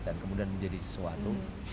dan kemudian menjadi sesuatu